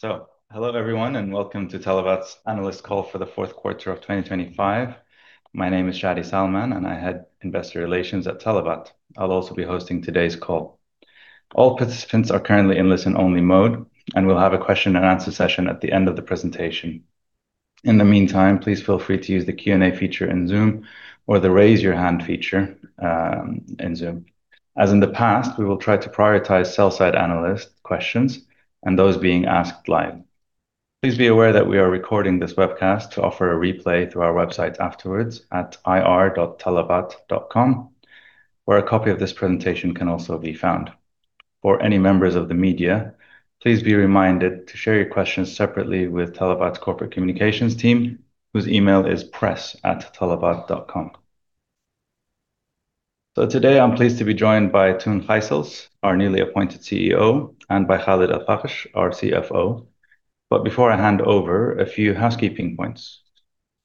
So hello everyone, and welcome to Talabat's analyst call for the fourth quarter of 2025. My name is Shadi Salman, and I head Investor Relations at Talabat. I'll also be hosting today's call. All participants are currently in listen-only mode, and we'll have a question-and-answer session at the end of the presentation. In the meantime, please feel free to use the Q&A feature in Zoom or the Raise Your Hand feature, in Zoom. As in the past, we will try to prioritize sell-side analyst questions and those being asked live. Please be aware that we are recording this webcast to offer a replay through our website afterwards at ir.Talabat.com, where a copy of this presentation can also be found. For any members of the media, please be reminded to share your questions separately with Talabat's Corporate Communications team, whose email is press@Talabat.com. So today, I'm pleased to be joined by Toon Gyssels, our newly appointed CEO, and by Khaled Al Fakesh, our CFO. But before I hand over, a few housekeeping points.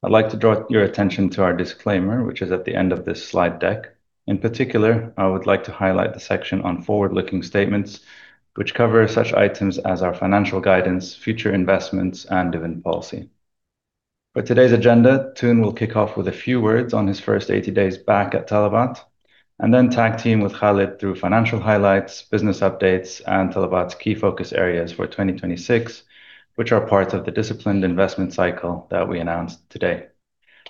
I'd like to draw your attention to our disclaimer, which is at the end of this slide deck. In particular, I would like to highlight the section on forward-looking statements, which cover such items as our financial guidance, future investments, and dividend policy. For today's agenda, Toon will kick off with a few words on his first 80 days back at Talabat, and then tag team with Khaled through financial highlights, business updates, and Talabat's key focus areas for 2026, which are part of the disciplined investment cycle that we announced today.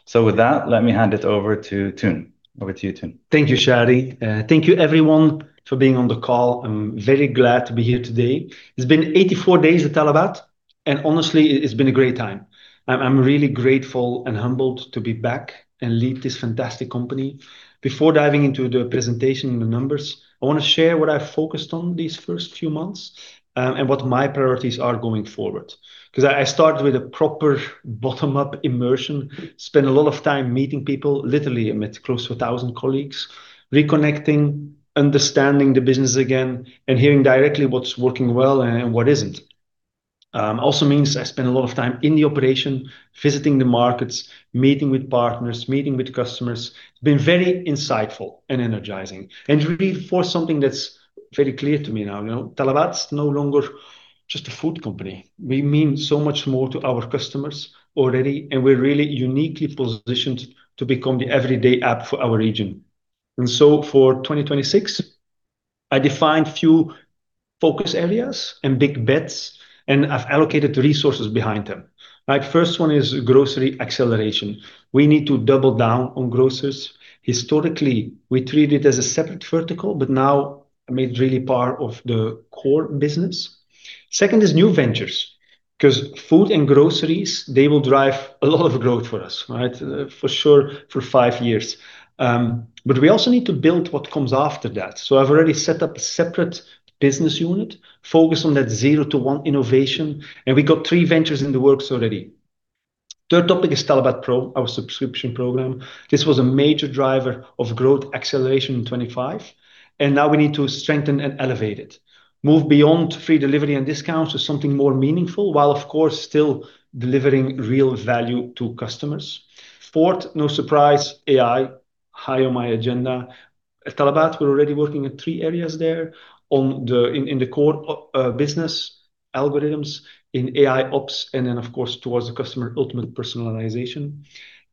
So with that, let me hand it over to Toon. Over to you, Toon. Thank you, Shadi. Thank you, everyone, for being on the call. I'm very glad to be here today. It's been 84 days at Talabat, and honestly, it, it's been a great time. I'm, I'm really grateful and humbled to be back and lead this fantastic company. Before diving into the presentation and the numbers, I wanna share what I've focused on these first few months, and what my priorities are going forward. 'Cause I, I started with a proper bottom-up immersion, spent a lot of time meeting people. Literally, I met close to 1,000 colleagues, reconnecting, understanding the business again, and hearing directly what's working well and, and what isn't. Also means I spent a lot of time in the operation, visiting the markets, meeting with partners, meeting with customers. It's been very insightful and energizing, and really for something that's very clear to me now. You know, Talabat's no longer just a food company. We mean so much more to our customers already, and we're really uniquely positioned to become the everyday app for our region. And so for 2026, I defined few focus areas and big bets, and I've allocated resources behind them, right? First one is grocery acceleration. We need to double down on grocers. Historically, we treated it as a separate vertical, but now I made it really part of the core business. Second is new ventures, 'cause food and groceries, they will drive a lot of growth for us, right? For sure, for 5 years. But we also need to build what comes after that. So I've already set up a separate business unit focused on that zero-to-one innovation, and we got 3 ventures in the works already. Third topic is Talabat Pro, our subscription program. This was a major driver of growth acceleration in 2025, and now we need to strengthen and elevate it. Move beyond free delivery and discounts to something more meaningful, while of course, still delivering real value to customers. Fourth, no surprise, AI, high on my agenda. At Talabat, we're already working in three areas there: in the core business algorithms, in AIOps, and then, of course, towards the customer, ultimate personalization.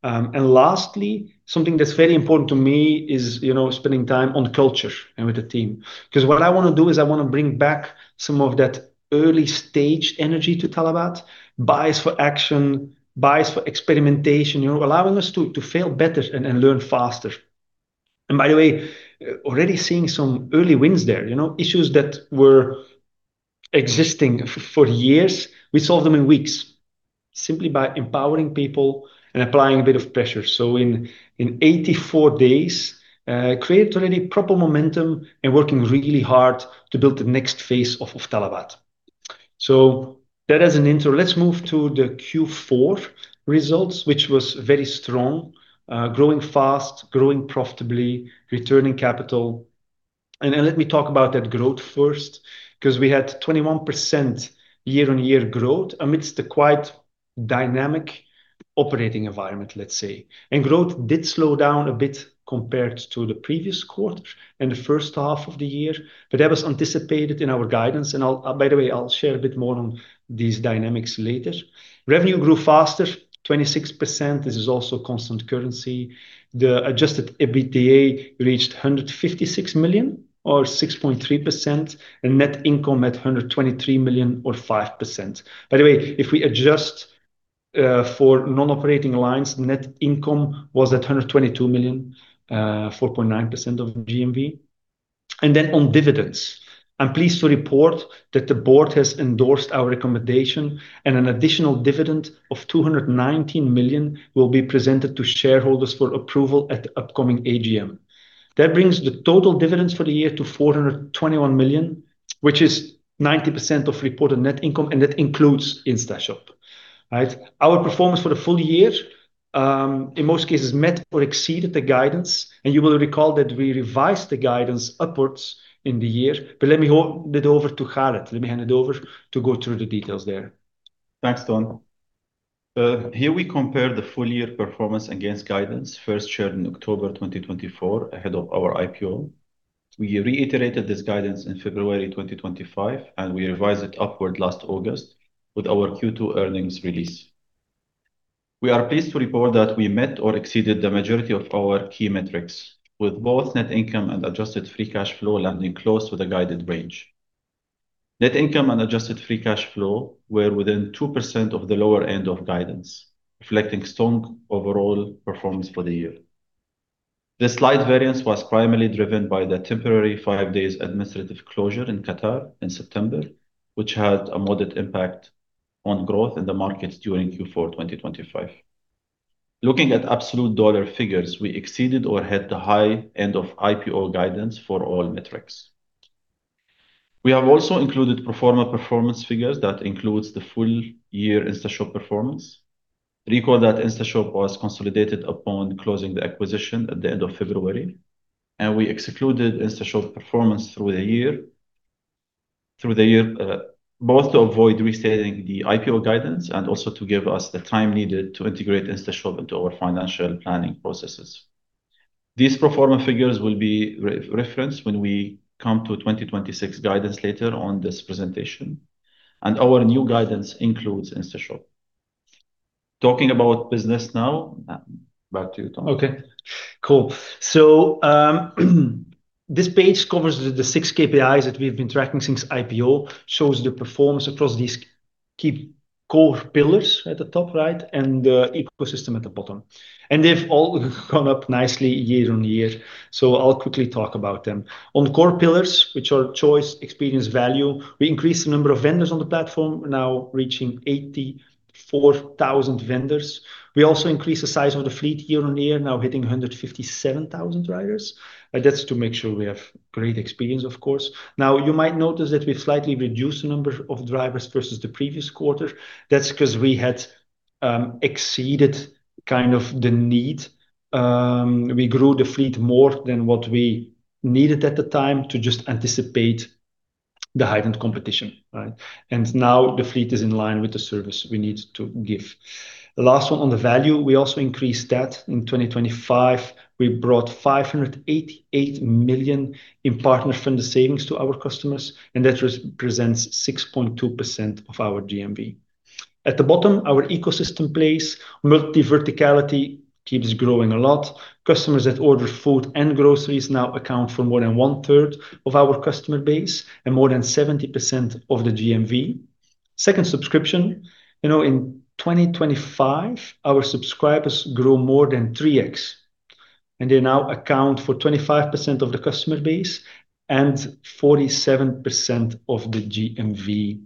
And lastly, something that's very important to me is, you know, spending time on culture and with the team. 'Cause what I wanna do is I wanna bring back some of that early-stage energy to Talabat, bias for action, bias for experimentation, you know, allowing us to fail better and learn faster. And by the way, already seeing some early wins there. You know, issues that were existing for years, we solved them in weeks, simply by empowering people and applying a bit of pressure. So in 84 days, created already proper momentum and working really hard to build the next phase of Talabat. So that as an intro, let's move to the Q4 results, which was very strong. Growing fast, growing profitably, returning capital. And then, let me talk about that growth first, 'cause we had 21% year-on-year growth amidst the quite dynamic operating environment, let's say. And growth did slow down a bit compared to the previous quarter and the first half of the year, but that was anticipated in our guidance, and I'll, by the way, I'll share a bit more on these dynamics later. Revenue grew faster, 26%. This is also constant currency. The adjusted EBITDA reached $156 million, or 6.3%, and net income at $123 million, or 5%. By the way, if we adjust, for non-operating lines, net income was at $122 million, 4.9% of GMV. And then on dividends, I'm pleased to report that the Board has endorsed our recommendation, and an additional dividend of $219 million will be presented to shareholders for approval at the upcoming AGM. That brings the total dividends for the year to $421 million, which is 90% of reported net income, and that includes InstaShop, right? Our performance for the full year, in most cases, met or exceeded the guidance, and you will recall that we revised the guidance upwards in the year. But let me hand it over to Khalid. Let me hand it over to go through the details there. Thanks, Toon.... Here we compare the full year performance against guidance, first shared in October 2024 ahead of our IPO. We reiterated this guidance in February 2025, and we revised it upward last August with our Q2 earnings release. We are pleased to report that we met or exceeded the majority of our key metrics, with both net income and adjusted free cash flow landing close to the guided range. Net income and adjusted free cash flow were within 2% of the lower end of guidance, reflecting strong overall performance for the year. The slight variance was primarily driven by the temporary 5 days administrative closure in Qatar in September, which had a moderate impact on growth in the markets during Q4 2025. Looking at absolute dollar figures, we exceeded or had the high end of IPO guidance for all metrics. We have also included pro forma performance figures that includes the full year InstaShop performance. Recall that InstaShop was consolidated upon closing the acquisition at the end of February, and we excluded InstaShop performance through the year, through the year, both to avoid restating the IPO guidance and also to give us the time needed to integrate InstaShop into our financial planning processes. These pro forma figures will be re-referenced when we come to 2026 guidance later on this presentation, and our new guidance includes InstaShop. Talking about business now, back to you, Toon. Okay, cool. So this page covers the six KPIs that we've been tracking since IPO. Shows the performance across these key core pillars at the top right and the ecosystem at the bottom. And they've all gone up nicely year-on-year, so I'll quickly talk about them. On core pillars, which are choice, experience, value, we increased the number of vendors on the platform, now reaching 84,000 vendors. We also increased the size of the fleet year-on-year, now hitting 157,000 riders. That's to make sure we have great experience, of course. Now, you might notice that we've slightly reduced the number of drivers versus the previous quarter. That's 'cause we had exceeded kind of the need. We grew the fleet more than what we needed at the time to just anticipate the heightened competition, right? And now the fleet is in line with the service we need to give. The last one on the value, we also increased that in 2025. We brought $588 million in partner funded savings to our customers, and that represents 6.2% of our GMV. At the bottom, our ecosystem plays. Multi-verticality keeps growing a lot. Customers that order food and groceries now account for more than one third of our customer base and more than 70% of the GMV. Second, subscription. You know, in 2025, our subscribers grew more than 3x, and they now account for 25% of the customer base and 47% of the GMV.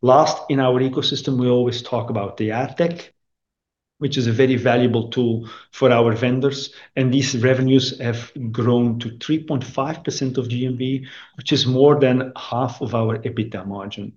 Last, in our ecosystem, we always talk about the AdTech, which is a very valuable tool for our vendors, and these revenues have grown to 3.5% of GMV, which is more than half of our EBITDA margin.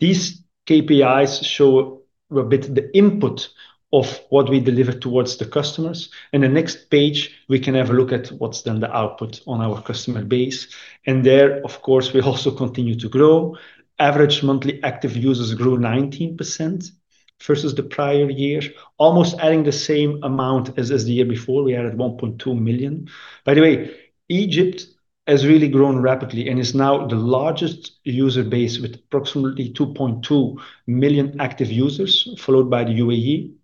These KPIs show a bit the input of what we deliver towards the customers. In the next page, we can have a look at what's then the output on our customer base, and there, of course, we also continue to grow. Average monthly active users grew 19% versus the prior year, almost adding the same amount as the year before. We added 1.2 million. By the way, Egypt has really grown rapidly and is now the largest user base, with approximately 2.2 million active users, followed by the UAE.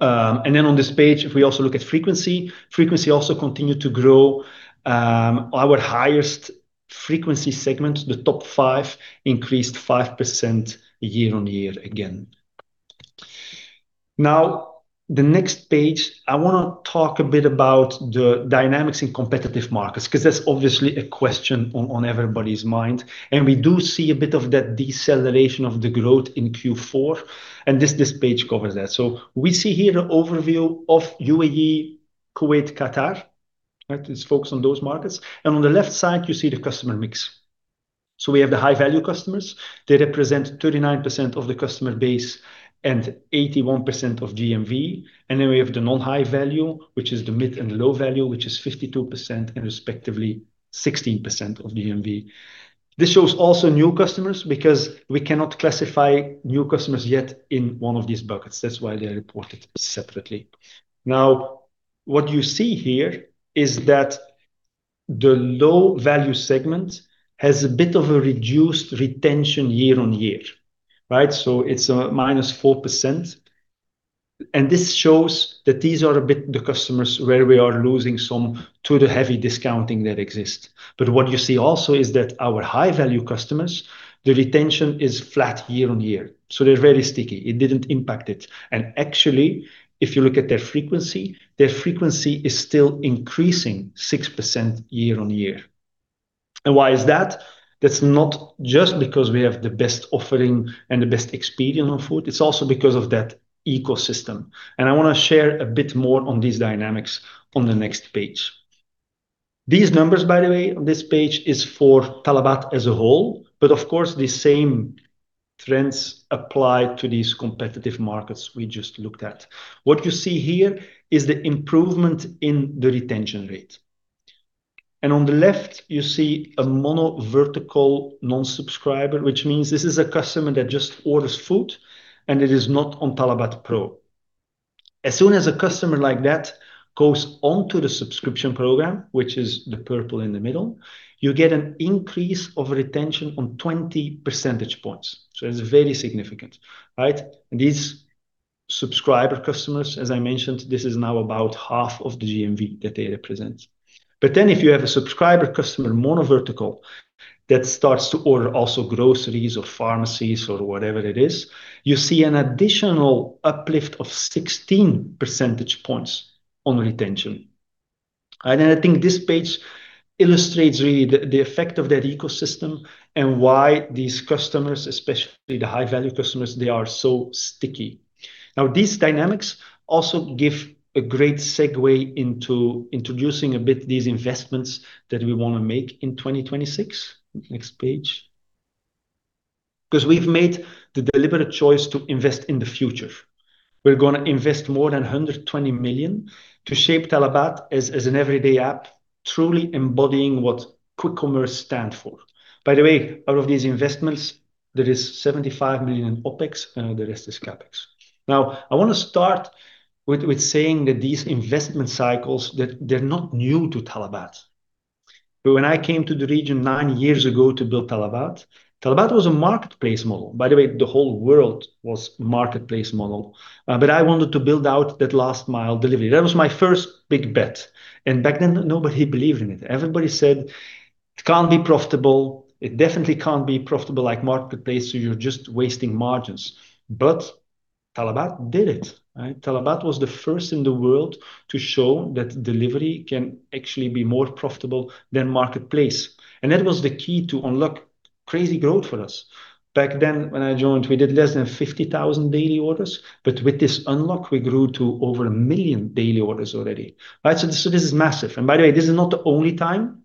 And then on this page, if we also look at frequency, frequency also continued to grow. Our highest frequency segment, the top five, increased 5% year-on-year again. Now, the next page, I wanna talk a bit about the dynamics in competitive markets, 'cause that's obviously a question on, on everybody's mind, and we do see a bit of that deceleration of the growth in Q4, and this, this page covers that. So we see here an overview of UAE, Kuwait, Qatar. Right? Let's focus on those markets. And on the left side, you see the customer mix. So we have the high-value customers. They represent 39% of the customer base and 81% of GMV. And then we have the non-high value, which is the mid and low value, which is 52% and respectively 16% of GMV. This shows also new customers, because we cannot classify new customers yet in one of these buckets. That's why they are reported separately. Now, what you see here is that the low-value segment has a bit of a reduced retention year-on-year, right? So it's a -4%, and this shows that these are a bit the customers where we are losing some to the heavy discounting that exists. But what you see also is that our high-value customers, the retention is flat year-on-year, so they're very sticky. It didn't impact it. And actually, if you look at their frequency, their frequency is still increasing 6% year-on-year. And why is that? That's not just because we have the best offering and the best experience on food; it's also because of that ecosystem. I wanna share a bit more on these dynamics on the next page. These numbers, by the way, on this page, is for Talabat as a whole, but of course, the same trends apply to these competitive markets we just looked at. What you see here is the improvement in the retention rate. On the left, you see a mono vertical non-subscriber, which means this is a customer that just orders food, and it is not on Talabat Pro. As soon as a customer like that goes onto the subscription program, which is the purple in the middle, you get an increase of retention on 20 percentage points. So it's very significant, right? These subscriber customers, as I mentioned, this is now about half of the GMV that they represent. But then if you have a subscriber customer, mono vertical, that starts to order also groceries or pharmacies or whatever it is, you see an additional uplift of 16 percentage points on retention. And I think this page illustrates really the, the effect of that ecosystem and why these customers, especially the high-value customers, they are so sticky. Now, these dynamics also give a great segue into introducing a bit these investments that we want to make in 2026. Next page. Because we've made the deliberate choice to invest in the future. We're going to invest more than $120 million to shape Talabat as, as an everyday app, truly embodying what quick commerce stand for. By the way, out of these investments, there is $75 million in OpEx, and the rest is CapEx. Now, I want to start with saying that these investment cycles, that they're not new to Talabat. But when I came to the region 9 years ago to build Talabat, Talabat was a marketplace model. By the way, the whole world was marketplace model. But I wanted to build out that last mile delivery. That was my first big bet, and back then, nobody believed in it. Everybody said, "It can't be profitable. It definitely can't be profitable like marketplace, so you're just wasting margins." But Talabat did it, right? Talabat was the first in the world to show that delivery can actually be more profitable than marketplace, and that was the key to unlock crazy growth for us. Back then, when I joined, we did less than 50,000 daily orders, but with this unlock, we grew to over 1 million daily orders already, right? So this is massive, and by the way, this is not the only time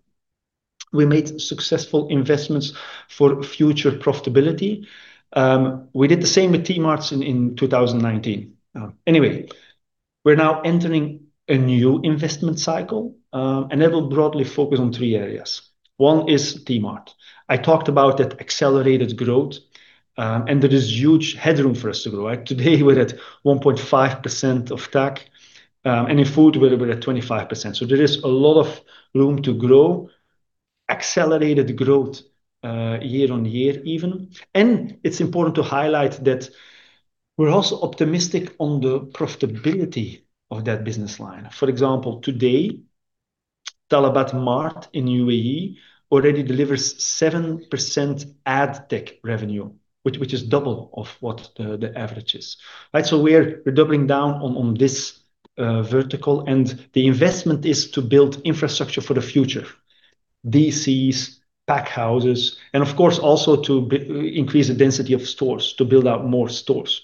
we made successful investments for future profitability. We did the same with Talabat Mart in 2019. Anyway, we're now entering a new investment cycle, and it'll broadly focus on three areas. One is Talabat Mart. I talked about that accelerated growth, and there is huge headroom for us to grow. Right today, we're at 1.5% of TAC, and in food, we're at 25%. So there is a lot of room to grow, accelerated growth, year on year, even. And it's important to highlight that we're also optimistic on the profitability of that business line. For example, today, Talabat Mart in UAE already delivers 7% AdTech revenue, which is double of what the average is, right? So we're doubling down on this vertical, and the investment is to build infrastructure for the future, DCs, pack houses, and of course, also to increase the density of stores, to build out more stores.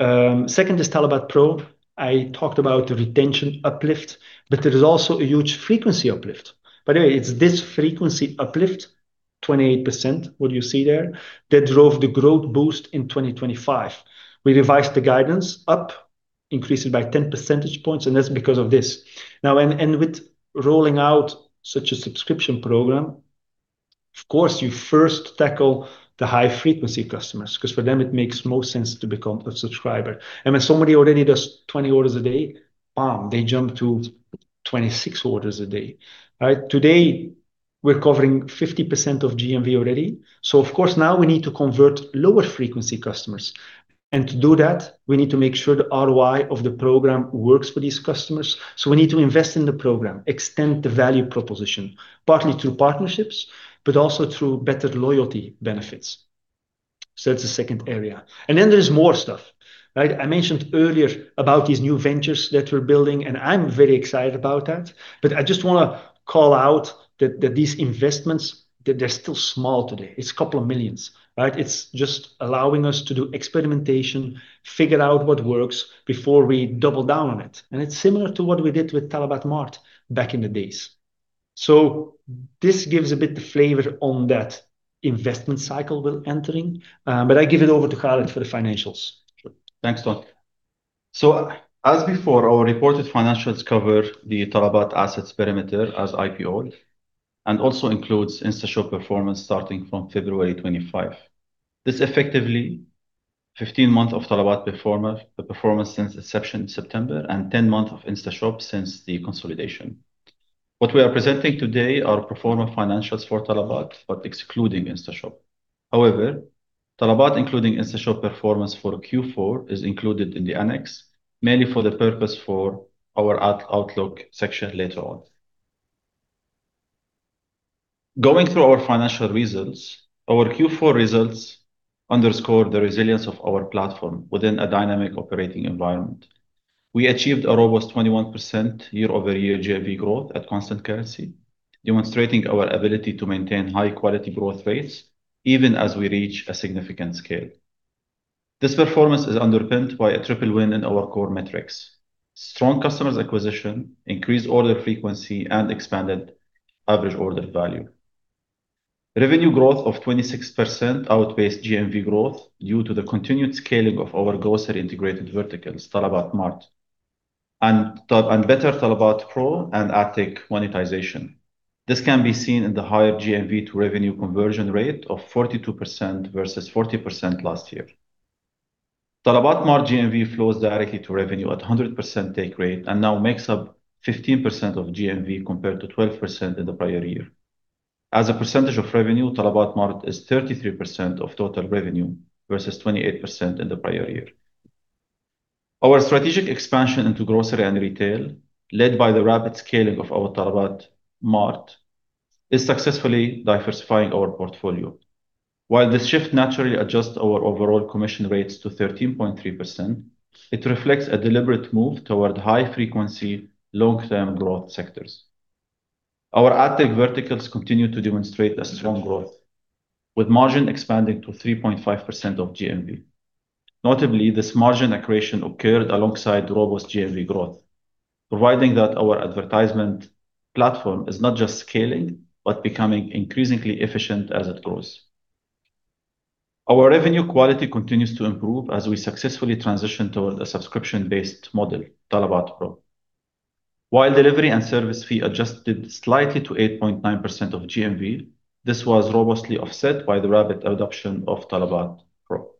Second is Talabat pro. I talked about the retention uplift, but there is also a huge frequency uplift. By the way, it's this frequency uplift, 28%, what you see there, that drove the growth boost in 2025. We revised the guidance up, increased it by 10 percentage points, and that's because of this. Now, with rolling out such a subscription program, of course, you first tackle the high-frequency customers, because for them it makes most sense to become a subscriber. And when somebody already does 20 orders a day, bam, they jump to 26 orders a day, right? Today, we're covering 50% of GMV already. So of course, now we need to convert lower-frequency customers. And to do that, we need to make sure the ROI of the program works for these customers. So we need to invest in the program, extend the value proposition, partly through partnerships, but also through better loyalty benefits. So that's the second area. And then there's more stuff, right? I mentioned earlier about these new ventures that we're building, and I'm very excited about that. But I just want to call out that these investments, that they're still small today. It's $2 million, right? It's just allowing us to do experimentation, figure out what works before we double down on it, and it's similar to what we did with Talabat Mart back in the days. This gives a bit of flavor on that investment cycle we're entering, but I give it over to Khaled for the financials. Sure. Thanks, Toon. So as before, our reported financials cover the Talabat assets perimeter as IPO'd, and also includes InstaShop performance starting from February 25. This effectively 15 months of Talabat the performance since inception in September, and 10 months of InstaShop since the consolidation. What we are presenting today are pro forma financials for Talabat, but excluding InstaShop. However, Talabat, including InstaShop performance for Q4, is included in the annex, mainly for the purpose for our outlook section later on. Going through our financial results, our Q4 results underscore the resilience of our platform within a dynamic operating environment. We achieved a robust 21% year-over-year GMV growth at constant currency, demonstrating our ability to maintain high-quality growth rates even as we reach a significant scale. This performance is underpinned by a triple win in our core metrics: strong customer acquisition, increased order frequency, and expanded average order value. Revenue growth of 26% outpaced GMV growth due to the continued scaling of our grocery-integrated verticals, Talabat Mart, and Talabat pro and better AdTech monetization. This can be seen in the higher GMV to revenue conversion rate of 42% versus 40% last year. Talabat Mart GMV flows directly to revenue at a 100% take rate and now makes up 15% of GMV, compared to 12% in the prior year. As a percentage of revenue, Talabat Mart is 33% of total revenue, versus 28% in the prior year. Our strategic expansion into grocery and retail, led by the rapid scaling of our Talabat Mart, is successfully diversifying our portfolio. While this shift naturally adjusts our overall commission rates to 13.3%, it reflects a deliberate move toward high-frequency, long-term growth sectors. Our AdTech verticals continue to demonstrate a strong growth, with margin expanding to 3.5% of GMV. Notably, this margin accretion occurred alongside robust GMV growth, proving that our advertisement platform is not just scaling, but becoming increasingly efficient as it grows. Our revenue quality continues to improve as we successfully transition toward a subscription-based model, Talabat pro. While delivery and service fee adjusted slightly to 8.9% of GMV, this was robustly offset by the rapid adoption of Talabat pro.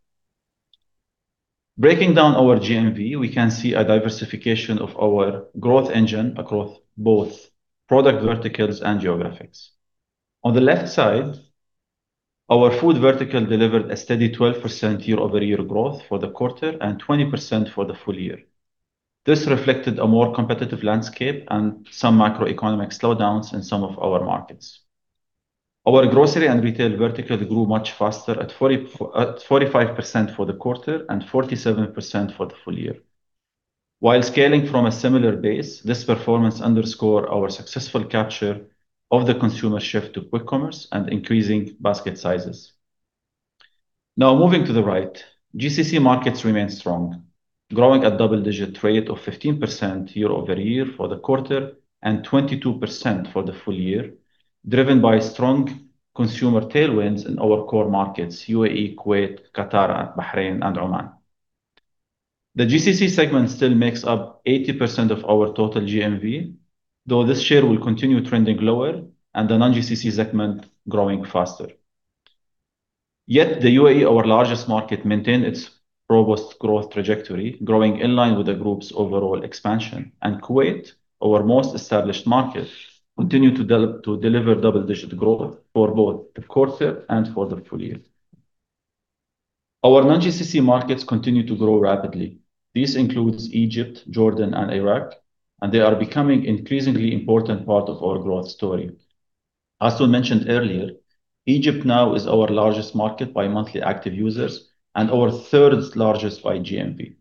Breaking down our GMV, we can see a diversification of our growth engine across both product verticals and geographies. On the left side, our food vertical delivered a steady 12% year-over-year growth for the quarter and 20% for the full year. This reflected a more competitive landscape and some macroeconomic slowdowns in some of our markets. Our grocery and retail vertical grew much faster at 45% for the quarter and 47% for the full year. While scaling from a similar base, this performance underscore our successful capture of the consumer shift to quick commerce and increasing basket sizes. Now, moving to the right, GCC markets remain strong, growing at double-digit rate of 15% year-over-year for the quarter and 22% for the full year, driven by strong consumer tailwinds in our core markets, UAE, Kuwait, Qatar, Bahrain, and Oman. The GCC segment still makes up 80% of our total GMV, though this share will continue trending lower and the non-GCC segment growing faster. Yet the UAE, our largest market, maintained its robust growth trajectory, growing in line with the group's overall expansion, and Kuwait, our most established market, continued to deliver double-digit growth for both the quarter and for the full year. Our non-GCC markets continue to grow rapidly. This includes Egypt, Jordan, and Iraq, and they are becoming increasingly important part of our growth story. As we mentioned earlier, Egypt now is our largest market by monthly active users and our third largest by GMV.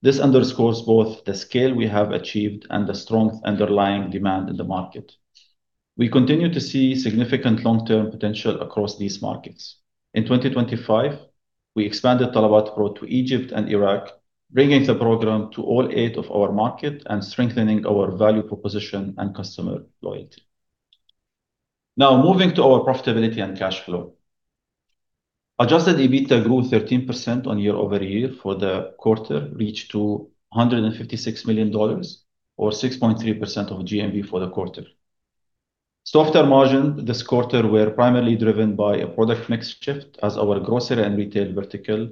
This underscores both the scale we have achieved and the strong underlying demand in the market. We continue to see significant long-term potential across these markets. In 2025, we expanded Talabat pro to Egypt and Iraq, bringing the program to all 8 of our markets and strengthening our value proposition and customer loyalty. Now, moving to our profitability and cash flow. Adjusted EBITDA grew 13% year-over-year for the quarter, reached to $156 million or 6.3% of GMV for the quarter. Gross margin this quarter were primarily driven by a product mix shift as our grocery and retail vertical,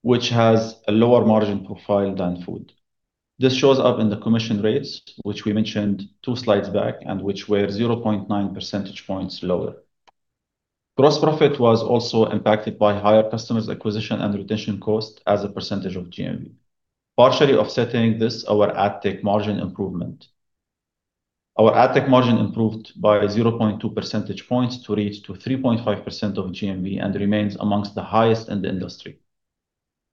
which has a lower margin profile than food. This shows up in the commission rates, which we mentioned 2 slides back, and which were 0.9 percentage points lower. Gross profit was also impacted by higher customer acquisition and retention costs as a percentage of GMV. Partially offsetting this, our AdTech margin improvement. Our AdTech margin improved by 0.2 percentage points to reach to 3.5% of GMV and remains among the highest in the industry.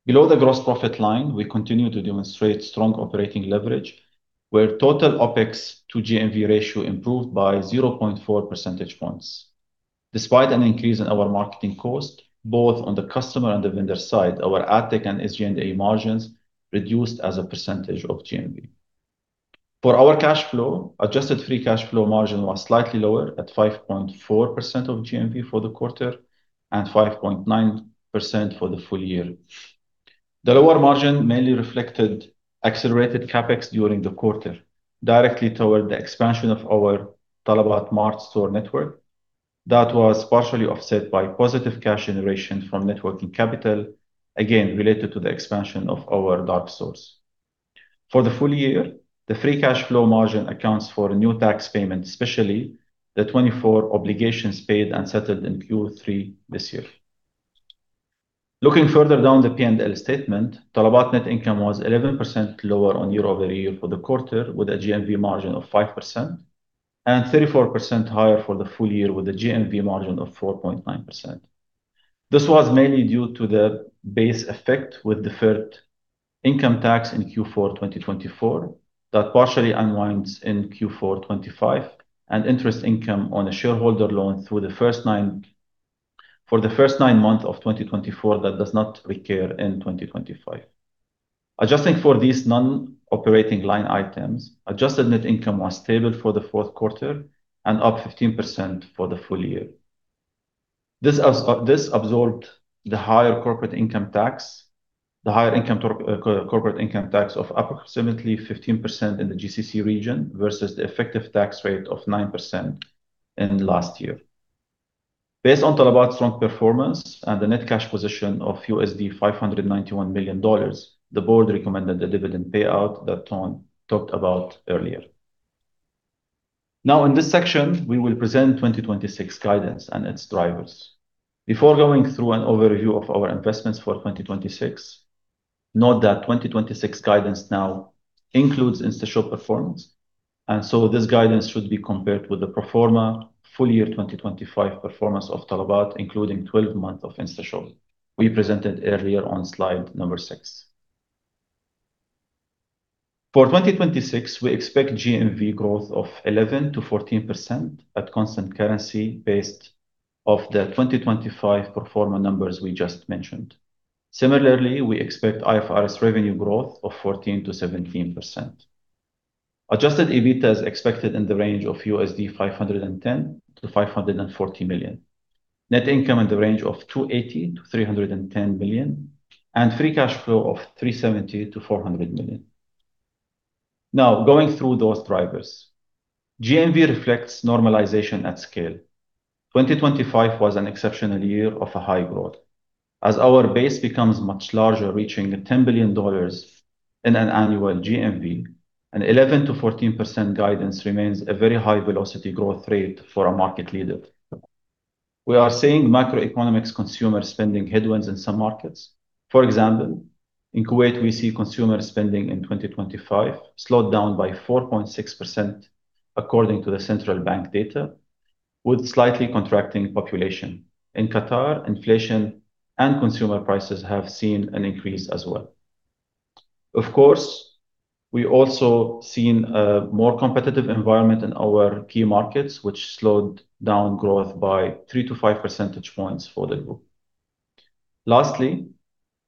Below the gross profit line, we continue to demonstrate strong operating leverage, where total OpEx to GMV ratio improved by 0.4 percentage points. Despite an increase in our marketing cost, both on the customer and the vendor side, our AdTech and SG&A margins reduced as a percentage of GMV. For our cash flow, adjusted free cash flow margin was slightly lower at 5.4% of GMV for the quarter and 5.9% for the full year. The lower margin mainly reflected accelerated CapEx during the quarter, directly toward the expansion of our Talabat Mart store network. That was partially offset by positive cash generation from working capital, again, related to the expansion of our dark stores. For the full year, the free cash flow margin accounts for a new tax payment, especially the 2024 obligations paid and settled in Q3 this year. Looking further down the P&L statement, Talabat net income was 11% lower on year-over-year for the quarter, with a GMV margin of 5%, and 34% higher for the full year, with a GMV margin of 4.9%. This was mainly due to the base effect with deferred income tax in Q4 2024, that partially unwinds in Q4 2025, and interest income on a shareholder loan for the first nine months of 2024, that does not reoccur in 2025. Adjusting for these non-operating line items, adjusted net income was stable for the fourth quarter and up 15% for the full year. This absorbed the higher corporate income tax, the higher income corporate income tax of approximately 15% in the GCC region, versus the effective tax rate of 9% in last year. Based on Talabat's strong performance and the net cash position of $591 million, the board recommended the dividend payout that Toon talked about earlier. Now, in this section, we will present 2026 guidance and its drivers. Before going through an overview of our investments for 2026, note that 2026 guidance now includes InstaShop performance, and so this guidance should be compared with the pro forma full year 2025 performance of Talabat, including 12 months of InstaShop we presented earlier on slide number 6. For 2026, we expect GMV growth of 11%-14% at constant currency, based off the 2025 pro forma numbers we just mentioned. Similarly, we expect IFRS revenue growth of 14%-17%. Adjusted EBITDA is expected in the range of $510 million-$540 million. Net income in the range of $280 million-$310 million, and free cash flow of $370 million-$400 million. Now, going through those drivers. GMV reflects normalization at scale. 2025 was an exceptional year of high growth. As our base becomes much larger, reaching $10 billion in an annual GMV, an 11%-14% guidance remains a very high velocity growth rate for a market leader. We are seeing macroeconomic consumer spending headwinds in some markets. For example, in Kuwait, we see consumer spending in 2025 slowed down by 4.6%, according to the central bank data, with slightly contracting population. In Qatar, inflation and consumer prices have seen an increase as well. Of course, we also seen a more competitive environment in our key markets, which slowed down growth by 3-5 percentage points for the group. Lastly,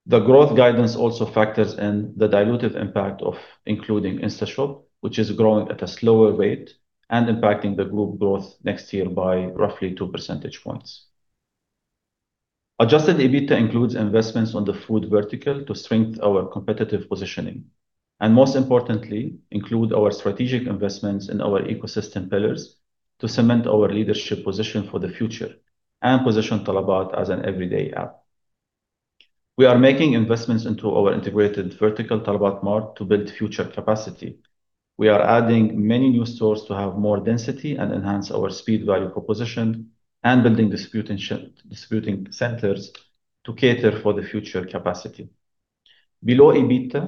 the growth guidance also factors in the dilutive impact of including InstaShop, which is growing at a slower rate and impacting the group growth next year by roughly 2 percentage points. Adjusted EBITDA includes investments on the food vertical to strengthen our competitive positioning, and most importantly, include our strategic investments in our ecosystem pillars to cement our leadership position for the future and position Talabat as an everyday app. We are making investments into our integrated vertical, Talabat Mart, to build future capacity. We are adding many new stores to have more density and enhance our speed value proposition and building dispatch and shipping distribution centers to cater for the future capacity. Below EBITDA,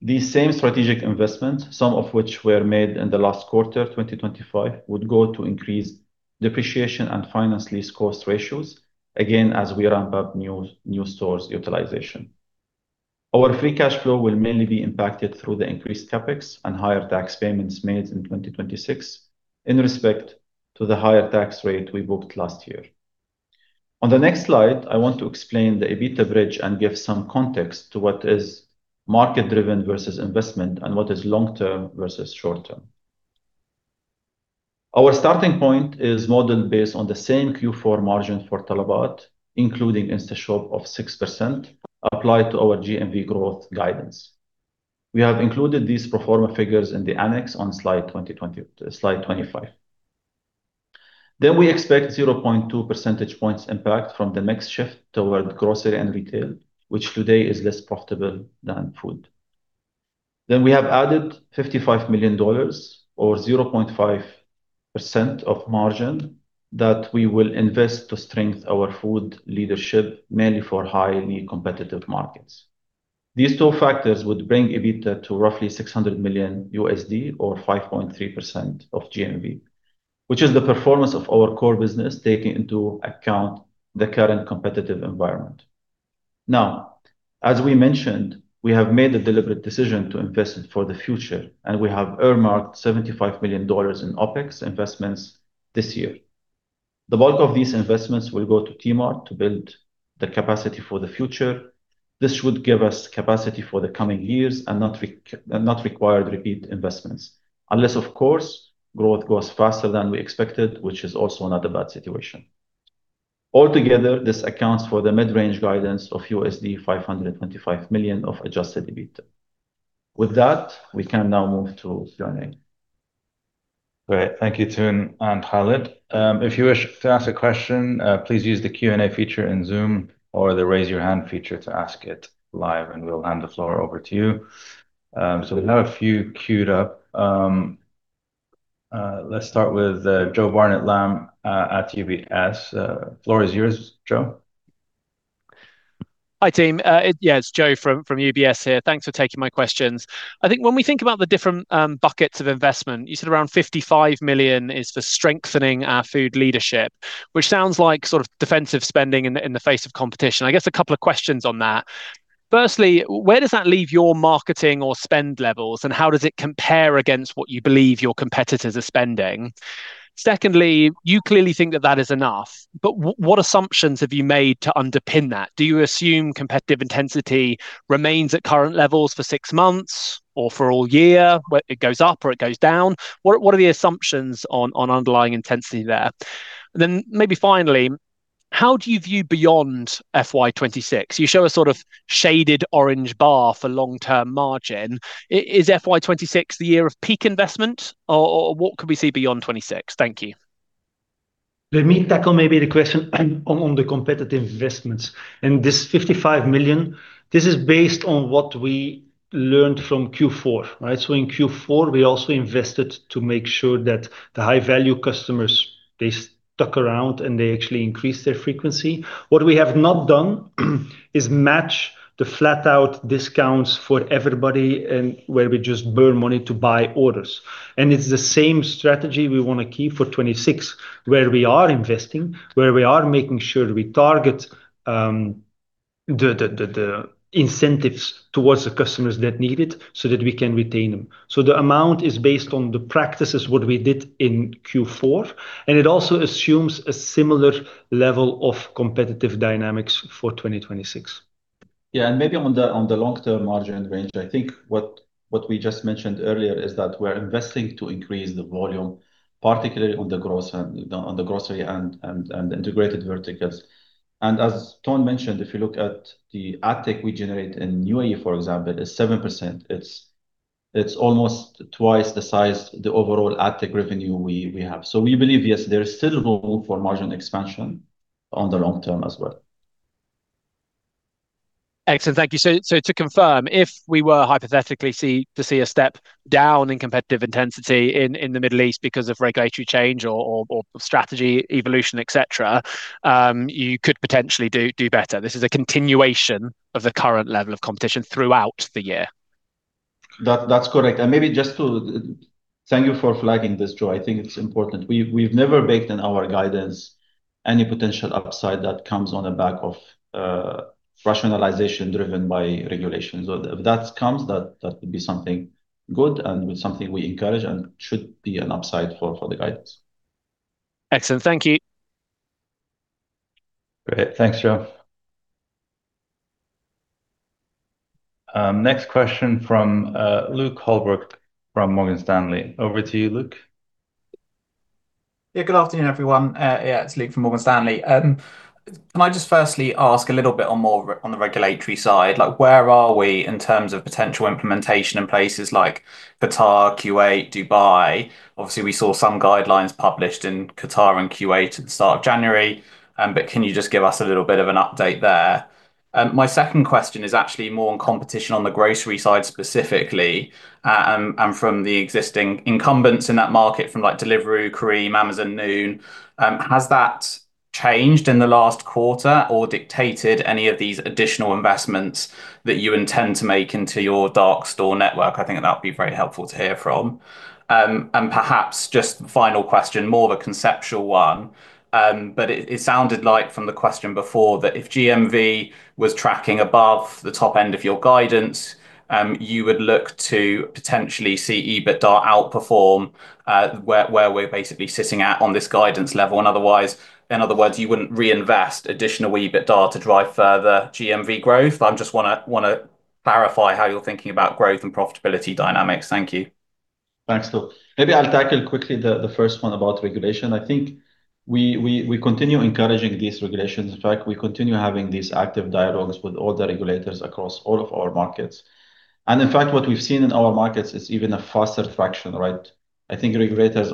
these same strategic investments, some of which were made in the last quarter, 2025, would go to increase depreciation and finance lease cost ratios, again, as we ramp up new, new stores' utilization. Our free cash flow will mainly be impacted through the increased CapEx and higher tax payments made in 2026, in respect to the higher tax rate we booked last year. On the next slide, I want to explain the EBITDA bridge and give some context to what is market-driven versus investment, and what is long term versus short term. Our starting point is model based on the same Q4 margin for Talabat, including InstaShop, of 6% applied to our GMV growth guidance. We have included these pro forma figures in the annex on slide 25. Then we expect 0.2 percentage points impact from the mix shift toward grocery and retail, which today is less profitable than food. Then we have added $55 million, or 0.5% of margin, that we will invest to strengthen our food leadership, mainly for highly competitive markets. These two factors would bring EBITDA to roughly $600 million, or 5.3% of GMV, which is the performance of our core business, taking into account the current competitive environment. Now, as we mentioned, we have made a deliberate decision to invest for the future, and we have earmarked $75 million in OpEx investments this year. The bulk of these investments will go to T Mart to build the capacity for the future. This would give us capacity for the coming years and not require repeat investments, unless, of course, growth goes faster than we expected, which is also not a bad situation. Altogether, this accounts for the mid-range guidance of $525 million of adjusted EBITDA. With that, we can now move to Q&A. Great. Thank you, Toon and Khaled. If you wish to ask a question, please use the Q&A feature in Zoom or the Raise Your Hand feature to ask it live, and we'll hand the floor over to you. So we have a few queued up. Let's start with Jo Barnet-Lamb at UBS. Floor is yours, Jo. Hi, team. Yeah, it's Jo from, from UBS here. Thanks for taking my questions. I think when we think about the different buckets of investment, you said around $55 million is for strengthening our food leadership, which sounds like sort of defensive spending in the face of competition. I guess a couple of questions on that.... firstly, where does that leave your marketing or spend levels, and how does it compare against what you believe your competitors are spending? Secondly, you clearly think that that is enough, but what assumptions have you made to underpin that? Do you assume competitive intensity remains at current levels for six months or for all year, where it goes up or it goes down? What are the assumptions on underlying intensity there? Then maybe finally, how do you view beyond FY 2026? You show a sort of shaded orange bar for long-term margin. Is FY 2026 the year of peak investment or, or what could we see beyond 2026? Thank you. Let me tackle maybe the question on, on the competitive investments. And this $55 million, this is based on what we learned from Q4, right? So in Q4, we also invested to make sure that the high-value customers, they stuck around, and they actually increased their frequency. What we have not done is match the flat-out discounts for everybody and where we just burn money to buy orders. And it's the same strategy we want to keep for 2026, where we are investing, where we are making sure we target the incentives towards the customers that need it so that we can retain them. So the amount is based on the practices, what we did in Q4, and it also assumes a similar level of competitive dynamics for 2026. Yeah, and maybe on the long-term margin range, I think what we just mentioned earlier is that we're investing to increase the volume, particularly on the gross and on the grocery and integrated verticals. And as Toon mentioned, if you look at the ad tech we generate in UAE, for example, is 7%. It's almost twice the size the overall ad tech revenue we have. So we believe, yes, there is still room for margin expansion on the long term as well. Excellent. Thank you. So, to confirm, if we were hypothetically to see a step down in competitive intensity in the Middle East because of regulatory change or strategy evolution, et cetera, you could potentially do better. This is a continuation of the current level of competition throughout the year. That's correct. Thank you for flagging this, Joe. I think it's important. We've never baked in our guidance any potential upside that comes on the back of rationalization driven by regulations. So if that comes, that would be something good and something we encourage and should be an upside for the guidance. Excellent. Thank you. Great. Thanks, Jo. Next question from Luke Holbrook from Morgan Stanley. Over to you, Luke. Yeah, good afternoon, everyone. Yeah, it's Luke from Morgan Stanley. Can I just firstly ask a little bit on more on the regulatory side? Like, where are we in terms of potential implementation in places like Qatar, Kuwait, Dubai? Obviously, we saw some guidelines published in Qatar and Kuwait at the start of January, but can you just give us a little bit of an update there? My second question is actually more on competition on the grocery side specifically, and from the existing incumbents in that market, from, like, Deliveroo, Careem, Amazon, Noon. Has that changed in the last quarter or dictated any of these additional investments that you intend to make into your dark store network? I think that would be very helpful to hear from. And perhaps just final question, more of a conceptual one, but it, it sounded like from the question before, that if GMV was tracking above the top end of your guidance, you would look to potentially see EBITDA outperform, where, where we're basically sitting at on this guidance level. And otherwise, in other words, you wouldn't reinvest additional EBITDA to drive further GMV growth. I just wanna, wanna clarify how you're thinking about growth and profitability dynamics. Thank you. Thanks, Luke. Maybe I'll tackle quickly the first one about regulation. I think we continue encouraging these regulations. In fact, we continue having these active dialogues with all the regulators across all of our markets. And in fact, what we've seen in our markets is even a faster traction, right? I think regulators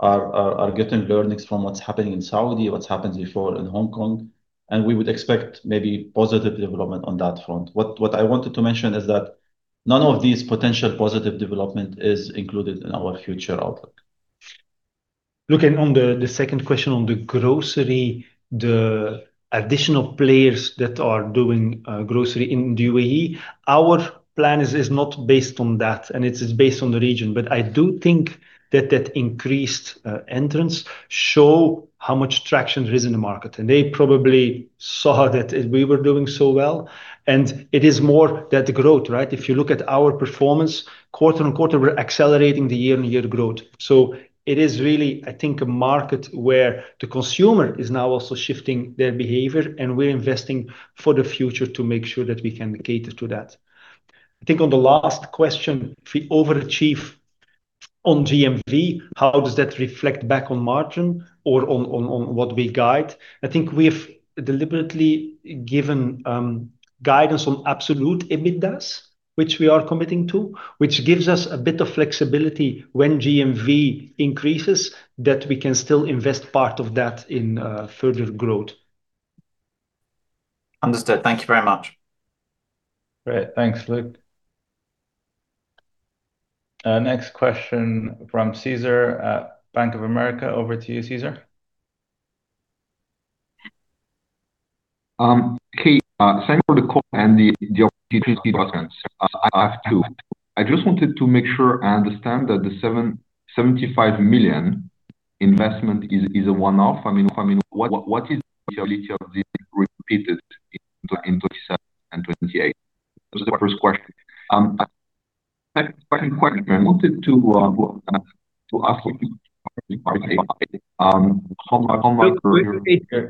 are getting learnings from what's happening in Saudi, what's happened before in Hong Kong, and we would expect maybe positive development on that front. What I wanted to mention is that none of these potential positive development is included in our future outlook. Luke, and on the, the second question on the grocery, the additional players that are doing grocery in the UAE, our plan is, is not based on that, and it is based on the region. But I do think that that increased entrants show how much traction there is in the market, and they probably saw that we were doing so well, and it is more that growth, right? If you look at our performance quarter-on-quarter, we're accelerating the year-on-year growth. So it is really, I think, a market where the consumer is now also shifting their behavior, and we're investing for the future to make sure that we can cater to that. I think on the last question, if we overachieve on GMV, how does that reflect back on margin or on what we guide? I think we've deliberately given guidance on absolute EBITDAs, which we are committing to, which gives us a bit of flexibility when GMV increases, that we can still invest part of that in further growth. Understood. Thank you very much. Great. Thanks, Luke. Next question from Cesar at Bank of America. Over to you, Cesar. Hey, thank you for the call and the opportunity. I have two. I just wanted to make sure I understand that the $75 million-... investment is, is a one-off? I mean, I mean, what, what, what is the ability of this repeated in, in 2027 and 2028? That's the first question. Second question, I wanted to, to ask you, how much-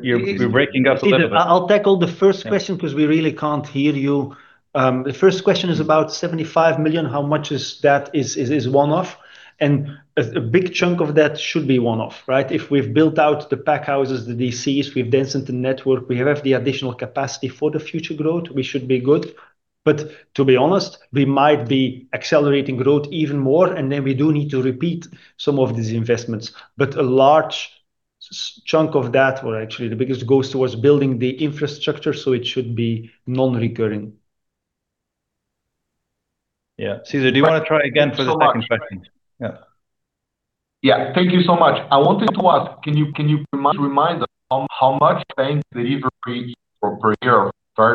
You're breaking up a little bit. I'll tackle the first question because we really can't hear you. The first question is about $75 million, how much of that is one-off? And a big chunk of that should be one-off, right? If we've built out the pack houses, the DCs, we've densened the network, we have the additional capacity for the future growth, we should be good. But to be honest, we might be accelerating growth even more, and then we do need to repeat some of these investments. But a large chunk of that, or actually the biggest, goes towards building the infrastructure, so it should be non-recurring. Yeah. Cesar, do you want to try again for the second question? Yeah. Yeah, thank you so much. I wanted to ask, can you remind us how much bank Delivery Hero per year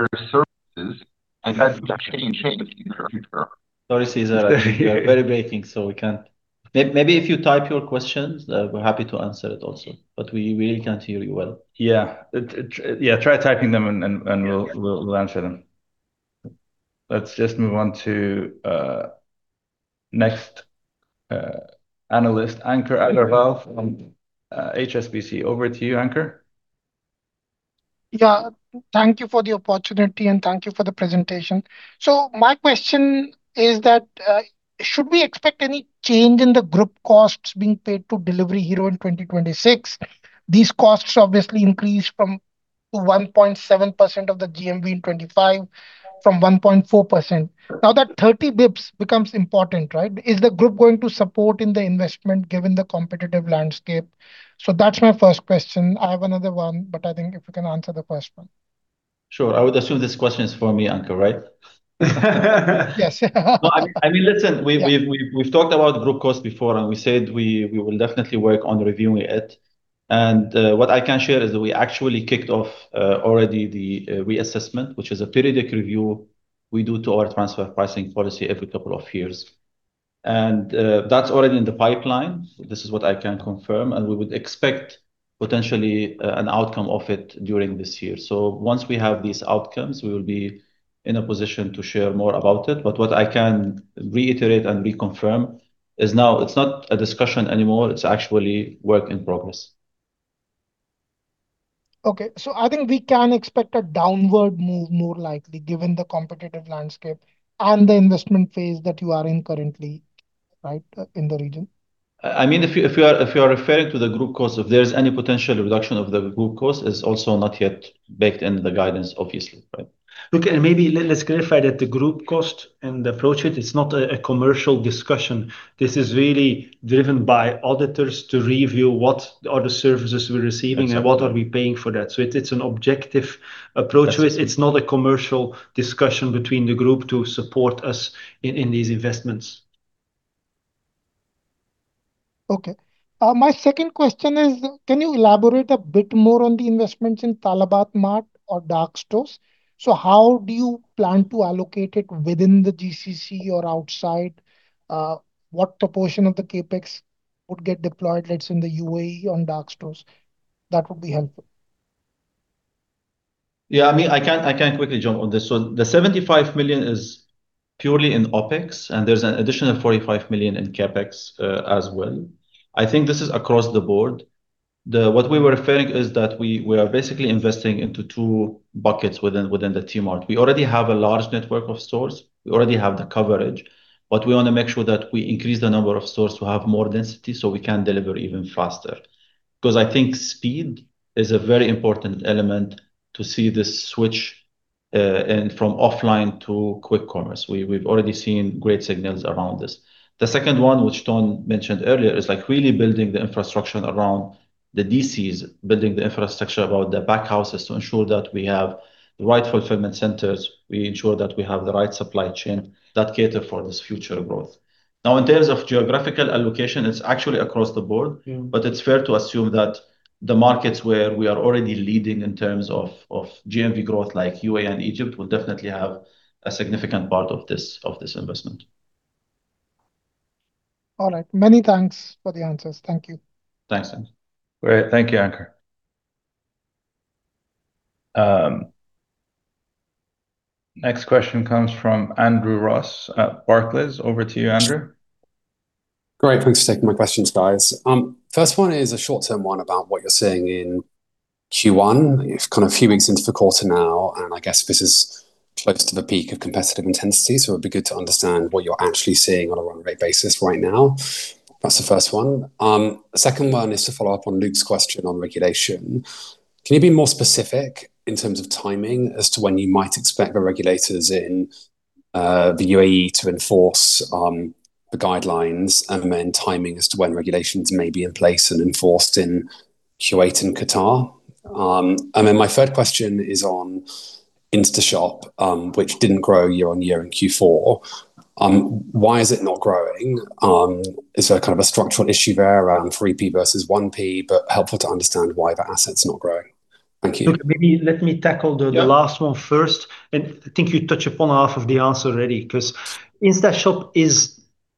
services and how does that change in the future? Sorry, Cesar, I think you are very breaking, so we can't... Maybe if you type your questions, we're happy to answer it also, but we really can't hear you well. Yeah. Try typing them, and we'll answer them. Let's just move on to next analyst, Ankur Agarwal from HSBC. Over to you, Ankur. Yeah. Thank you for the opportunity, and thank you for the presentation. So my question is that, should we expect any change in the group costs being paid to Delivery Hero in 2026? These costs obviously increased from 1.7% of the GMV in 2025, from 1.4%. Now that 30 basis points becomes important, right? Is the group going to support in the investment given the competitive landscape? So that's my first question. I have another one, but I think if you can answer the first one. Sure. I would assume this question is for me, Ankur, right? Yes. No, I mean, listen, we've talked about group costs before, and we said we will definitely work on reviewing it. And what I can share is that we actually kicked off already the reassessment, which is a periodic review we do to our transfer pricing policy every couple of years. And that's already in the pipeline. This is what I can confirm, and we would expect potentially an outcome of it during this year. So once we have these outcomes, we will be in a position to share more about it. But what I can reiterate and reconfirm is now it's not a discussion anymore, it's actually work in progress. Okay. So I think we can expect a downward move, more likely, given the competitive landscape and the investment phase that you are in currently, right, in the region? I mean, if you are referring to the group costs, if there's any potential reduction of the group costs, it's also not yet baked in the guidance, obviously, right? Okay, and maybe let's clarify that the group cost and the approach, it's not a commercial discussion. This is really driven by auditors to review what are the services we're receiving- Exactly... and what are we paying for that. So it's, it's an objective approach to it. That's it. It's not a commercial discussion between the group to support us in these investments. Okay. My second question is, can you elaborate a bit more on the investments in Talabat Mart or dark stores? So how do you plan to allocate it within the GCC or outside? What proportion of the CapEx would get deployed, let's say, in the UAE on dark stores? That would be helpful. Yeah, I mean, I can, I can quickly jump on this. So the $75 million is purely in OpEx, and there's an additional $45 million in CapEx, as well. I think this is across the board. What we were referring is that we, we are basically investing into two buckets within, within the T Mart. We already have a large network of stores, we already have the coverage, but we want to make sure that we increase the number of stores to have more density, so we can deliver even faster. Because I think speed is a very important element to see this switch in from offline to quick commerce. We, we've already seen great signals around this. The second one, which Toon mentioned earlier, is like really building the infrastructure around the DCs, building the infrastructure about the pack houses to ensure that we have the right fulfillment centers. We ensure that we have the right supply chain that cater for this future growth. Now, in terms of geographical allocation, it's actually across the board. Mm. It's fair to assume that the markets where we are already leading in terms of GMV growth, like UAE and Egypt, will definitely have a significant part of this investment. All right. Many thanks for the answers. Thank you. Thanks, Ankur. Great. Thank you, Ankur. Next question comes from Andrew Ross at Barclays. Over to you, Andrew. Great, thanks for taking my questions, guys. First one is a short-term one about what you're seeing in Q1. It's kind of a few weeks into the quarter now, and I guess this is close to the peak of competitive intensity, so it'd be good to understand what you're actually seeing on a run rate basis right now. That's the first one. The second one is to follow up on Luke's question on regulation. Can you be more specific in terms of timing as to when you might expect the regulators in the UAE to enforce the guidelines, and then timing as to when regulations may be in place and enforced in Kuwait and Qatar? And then my third question is on InstaShop, which didn't grow year-over-year in Q4. Why is it not growing? Is there a kind of a structural issue there around 3P versus 1P? But helpful to understand why the asset's not growing.... Thank you. Maybe let me tackle the- Yeah... the last one first, and I think you touch upon half of the answer already, 'cause InstaShop is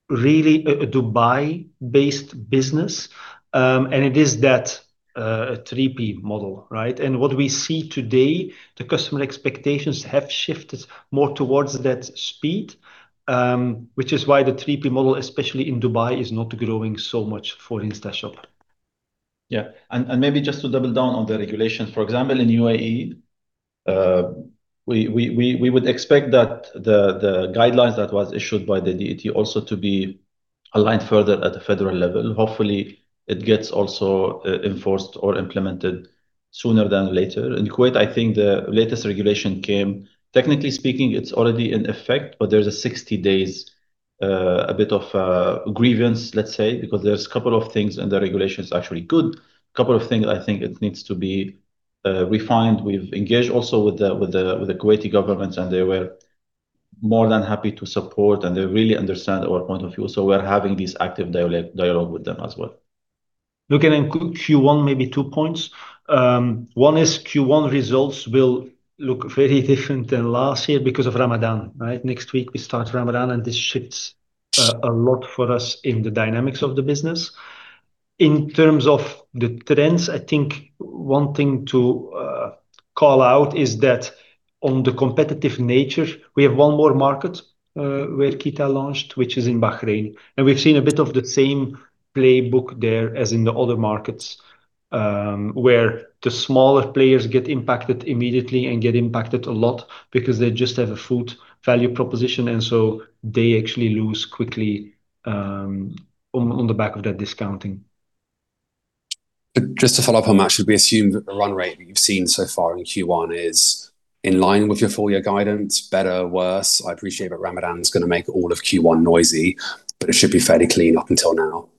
really a Dubai-based business, and it is that 3P model, right? And what we see today, the customer expectations have shifted more towards that speed, which is why the 3P model, especially in Dubai, is not growing so much for InstaShop. Yeah, and maybe just to double down on the regulations. For example, in UAE, we would expect that the guidelines that was issued by the DET also to be aligned further at the federal level. Hopefully, it gets also enforced or implemented sooner than later. In Kuwait, I think the latest regulation came... Technically speaking, it's already in effect, but there's a 60 days, a bit of grievance, let's say, because there's a couple of things, and the regulation is actually good. Couple of things I think it needs to be refined. We've engaged also with the Kuwaiti governments, and they were more than happy to support, and they really understand our point of view. So we're having this active dialogue with them as well. Looking in Q1, maybe two points. One is Q1 results will look very different than last year because of Ramadan, right? Next week, we start Ramadan, and this shifts a lot for us in the dynamics of the business. In terms of the trends, I think one thing to call out is that on the competitive nature, we have one more market where KeeTa launched, which is in Bahrain, and we've seen a bit of the same playbook there as in the other markets, where the smaller players get impacted immediately and get impacted a lot because they just have a food value proposition, and so they actually lose quickly on the back of that discounting. But just to follow up on that, should we assume that the run rate that you've seen so far in Q1 is in line with your full year guidance, better, worse? I appreciate that Ramadan is going to make all of Q1 noisy, but it should be fairly clean up until now.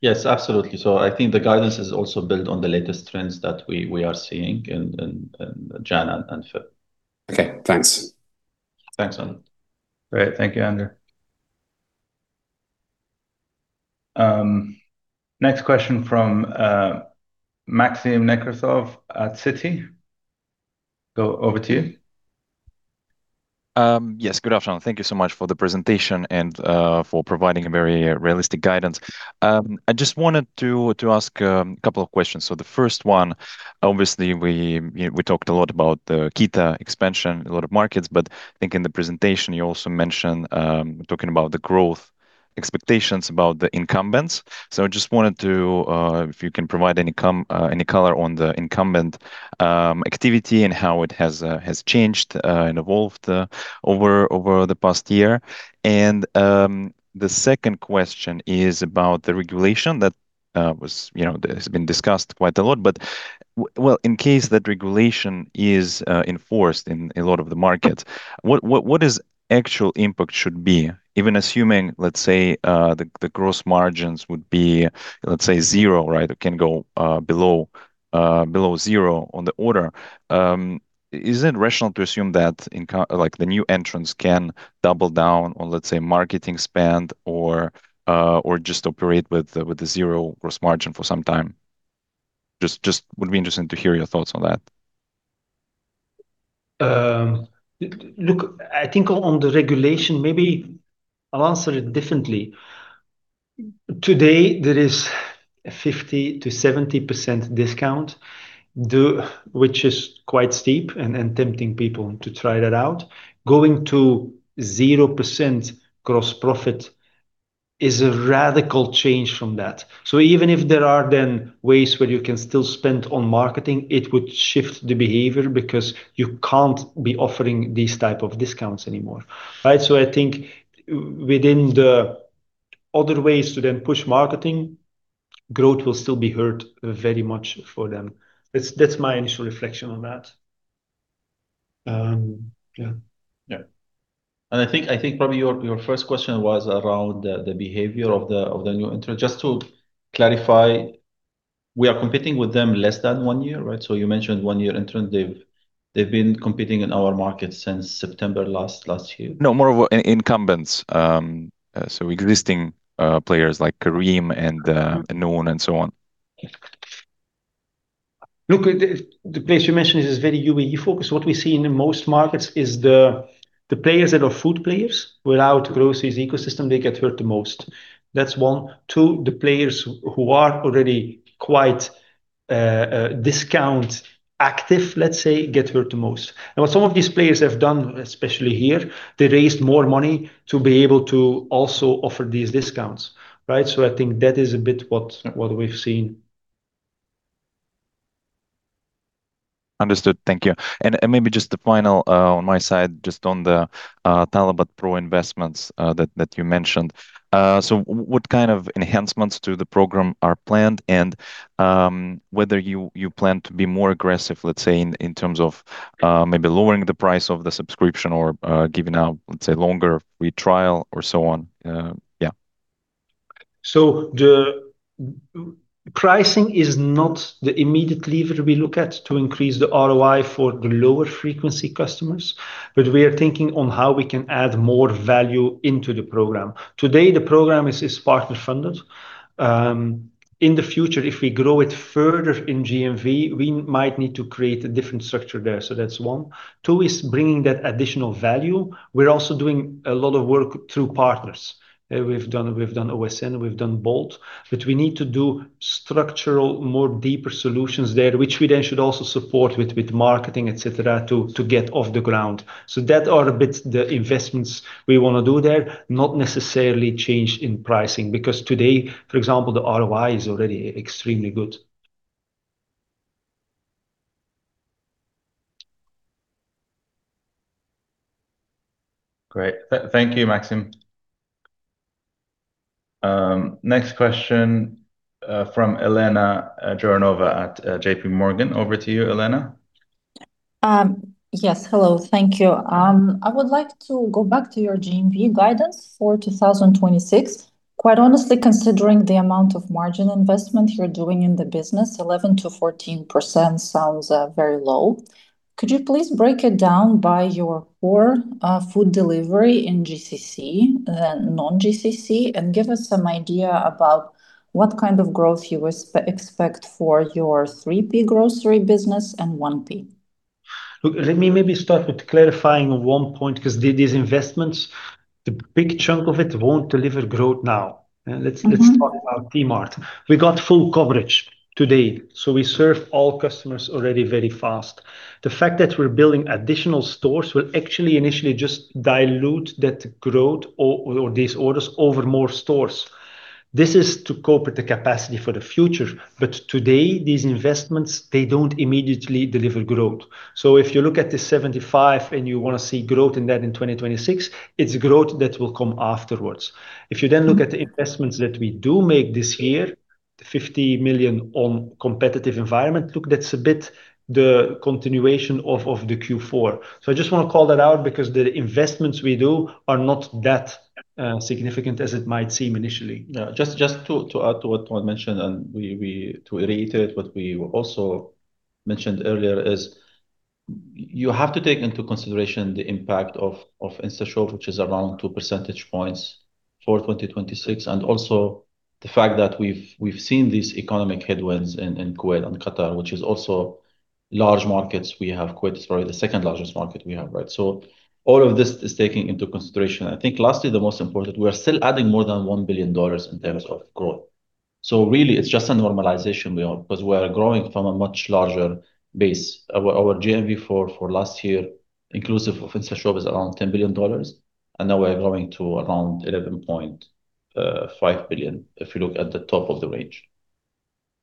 Yes, absolutely. So I think the guidance is also built on the latest trends that we are seeing in January and February. Okay, thanks. Thanks, Andrew. Great. Thank you, Andrew. Next question from Maxim Nekrasov at Citi. Go over to you. Yes, good afternoon. Thank you so much for the presentation and for providing a very realistic guidance. I just wanted to ask a couple of questions. So the first one, obviously, we, you know, we talked a lot about the KeeTa expansion, a lot of markets, but I think in the presentation you also mentioned talking about the growth expectations about the incumbents. So I just wanted to, if you can provide any color on the incumbent activity and how it has changed and evolved over the past year. And the second question is about the regulation that was, you know, that has been discussed quite a lot. But well, in case that regulation is enforced in a lot of the markets, what is actual impact should be, even assuming, let's say, the gross margins would be, let's say, 0, right? It can go below 0 on the order. Is it rational to assume that like, the new entrants can double down on, let's say, marketing spend or just operate with a 0 gross margin for some time? Just would be interesting to hear your thoughts on that. Look, I think on the regulation, maybe I'll answer it differently. Today, there is a 50%-70% discount, which is quite steep and tempting people to try that out. Going to 0% gross profit is a radical change from that. So even if there are then ways where you can still spend on marketing, it would shift the behavior because you can't be offering these type of discounts anymore, right? So I think within the other ways to then push marketing, growth will still be hurt very much for them. That's my initial reflection on that. Yeah. Yeah. And I think probably your first question was around the behavior of the new entrant. Just to clarify, we are competing with them less than one year, right? So you mentioned one-year entrant. They've been competing in our market since September last year. No, more of incumbents. So existing players like Careem and Noon, and so on. Look, the place you mentioned is very UAE-focused. What we see in most markets is the players that are food players without groceries ecosystem, they get hurt the most. That's one. Two, the players who are already quite discount active, let's say, get hurt the most. And what some of these players have done, especially here, they raised more money to be able to also offer these discounts, right? So I think that is a bit what- Yeah... what we've seen. Understood. Thank you. And maybe just the final on my side, just on the Talabat pro investments that you mentioned. So what kind of enhancements to the program are planned, and whether you plan to be more aggressive, let's say, in terms of maybe lowering the price of the subscription or giving out, let's say, longer free trial or so on? Yeah. So the pricing is not the immediate lever we look at to increase the ROI for the lower frequency customers, but we are thinking on how we can add more value into the program. Today, the program is partner-funded, in the future, if we grow it further in GMV, we might need to create a different structure there. So that's one. Two is bringing that additional value. We're also doing a lot of work through partners. We've done OSN, we've done Bolt. But we need to do structural, more deeper solutions there, which we then should also support with marketing, et cetera, to get off the ground. So that are a bit the investments we wanna do there, not necessarily change in pricing. Because today, for example, the ROI is already extremely good. Great. Thank you, Maxim. Next question from Elena Jouronova at JPMorgan. Over to you, Elena. Yes, hello. Thank you. I would like to go back to your GMV guidance for 2026. Quite honestly, considering the amount of margin investment you're doing in the business, 11%-14% sounds very low. Could you please break it down by your core food delivery in GCC, then non-GCC, and give us some idea about what kind of growth you expect for your 3P grocery business and 1P? Look, let me maybe start with clarifying one point, 'cause these investments, the big chunk of it won't deliver growth now. Mm-hmm... let's talk about TMart. We got full coverage today, so we serve all customers already very fast. The fact that we're building additional stores will actually initially just dilute that growth or these orders over more stores. This is to cope with the capacity for the future, but today, these investments, they don't immediately deliver growth. So if you look at the 75, and you wanna see growth in that in 2026, it's growth that will come afterwards. Mm-hmm. If you then look at the investments that we do make this year, $50 million on competitive environment, look, that's a bit the continuation of, of the Q4. So I just wanna call that out because the investments we do are not that, significant as it might seem initially. Yeah, just to add to what Toon mentioned, and we—to reiterate what we also mentioned earlier, you have to take into consideration the impact of InstaShop, which is around 2 percentage points for 2026, and also the fact that we've seen these economic headwinds in Kuwait and Qatar, which is also large markets we have. Kuwait is probably the second largest market we have, right? So all of this is taking into consideration. I think lastly, the most important, we are still adding more than $1 billion in terms of growth. So really, it's just a normalization we are—because we are growing from a much larger base. Our GMV for last year, inclusive of InstaShop, is around $10 billion, and now we're growing to around $11.5 billion, if you look at the top of the range.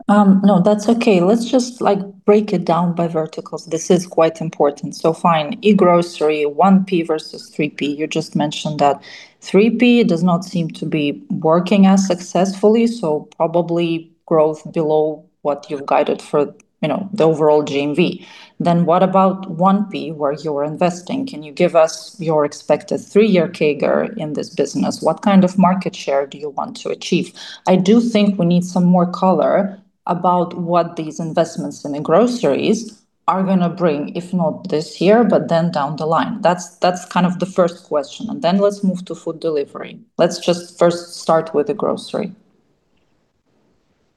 No, that's okay. Let's just, like, break it down by verticals. This is quite important. So fine, e-grocery, 1P versus 3P. You just mentioned that 3P does not seem to be working as successfully, so probably growth below what you've guided for, you know, the overall GMV. Then what about 1P, where you're investing? Can you give us your expected 3-year CAGR in this business? What kind of market share do you want to achieve? I do think we need some more color about what these investments in the groceries are gonna bring, if not this year, but then down the line. That's, that's kind of the first question, and then let's move to food delivery. Let's just first start with the grocery.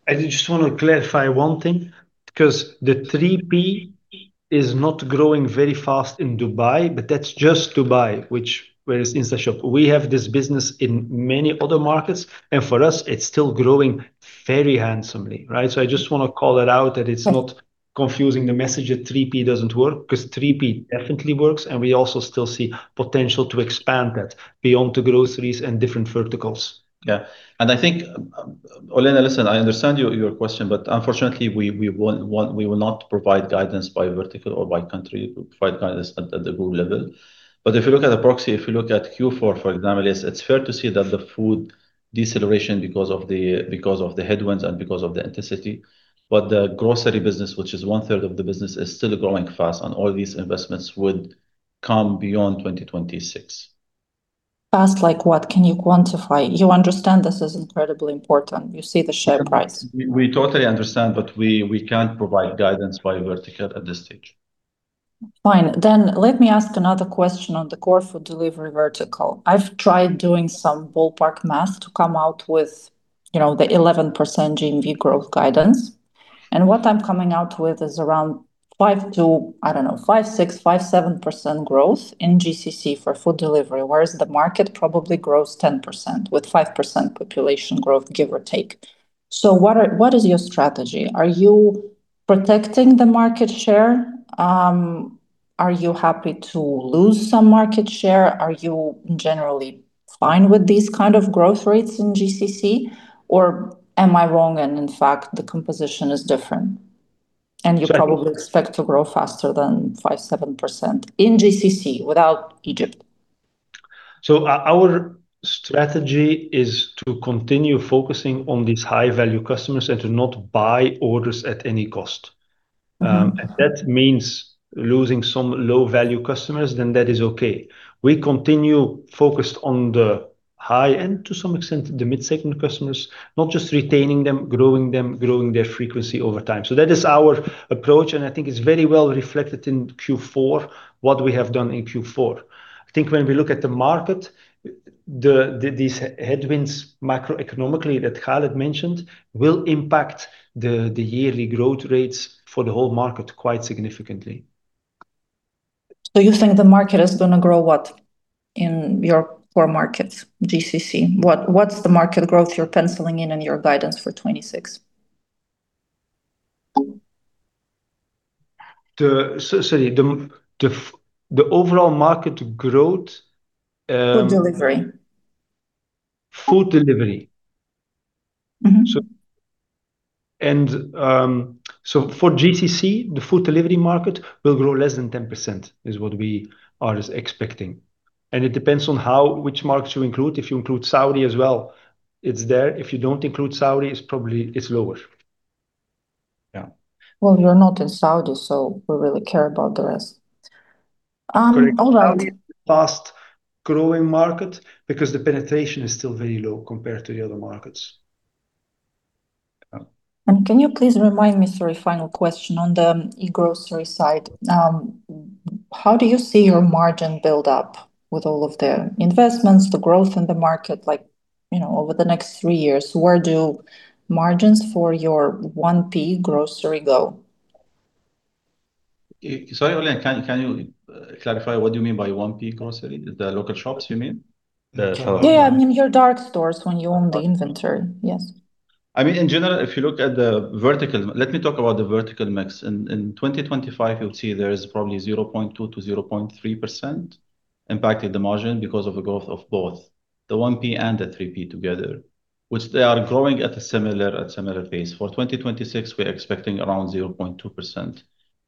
I just wanna clarify one thing, because the 3P is not growing very fast in Dubai, but that's just Dubai, which, whereas InstaShop, we have this business in many other markets, and for us, it's still growing very handsomely, right? So I just wanna call it out that it's not- Mm... confusing the message that 3P doesn't work, because 3P definitely works, and we also still see potential to expand that beyond the groceries and different verticals. Yeah. And I think, Elena, listen, I understand your, your question, but unfortunately, we will not provide guidance by vertical or by country, we provide guidance at, at the group level. But if you look at the proxy, if you look at Q4, for example, it's, it's fair to see that the food deceleration because of the, because of the headwinds and because of the intensity. But the grocery business, which is one third of the business, is still growing fast, and all these investments would come beyond 2026. Fast, like what? Can you quantify? You understand this is incredibly important. You see the share price. We totally understand, but we can't provide guidance by vertical at this stage. Fine. Let me ask another question on the core food delivery vertical. I've tried doing some ballpark math to come out with, you know, the 11% GMV growth guidance, and what I'm coming out with is around 5 to, I don't know, 5, 6, 5, 7% growth in GCC for food delivery, whereas the market probably grows 10%, with 5% population growth, give or take. What is your strategy? Are you protecting the market share? Are you happy to lose some market share? Are you generally fine with these kind of growth rates in GCC, or am I wrong and, in fact, the composition is different- So- And you probably expect to grow faster than 5%-7% in GCC, without Egypt? Our strategy is to continue focusing on these high-value customers and to not buy orders at any cost. Mm-hmm. If that means losing some low-value customers, then that is okay. We continue focused on the high, and to some extent, the mid-segment customers, not just retaining them, growing them, growing their frequency over time. So that is our approach, and I think it's very well reflected in Q4, what we have done in Q4. I think when we look at the market, these headwinds macroeconomically that Khaled mentioned, will impact the yearly growth rates for the whole market quite significantly. So you think the market is going to grow what in your core markets, GCC? What, what's the market growth you're penciling in, in your guidance for 2026? So, sorry, the overall market growth. Food delivery. Food delivery. Mm-hmm. So for GCC, the food delivery market will grow less than 10%, is what we are expecting. And it depends on how, which markets you include. If you include Saudi as well, it's there. If you don't include Saudi, it's probably lower. Yeah. Well, you're not in Saudi, so we really care about the rest. All right- Saudi is the fast-growing market because the penetration is still very low compared to the other markets. Can you please remind me, sorry, final question, on the e-grocery side, how do you see your margin build up with all of the investments, the growth in the market? Like, you know, over the next three years, where do margins for your 1P grocery go? Sorry, Elena, can you clarify what do you mean by 1P grocery? The local shops, you mean? The- Yeah. I mean, your dark stores when you own the inventory. Dark stores. Yes. I mean, in general, if you look at the vertical. Let me talk about the vertical mix. In, in 2025, you'll see there is probably 0.2%-0.3% impact in the margin because of the growth of both the 1P and the 3P together, which they are growing at a similar, at similar pace. For 2026, we are expecting around 0.2%.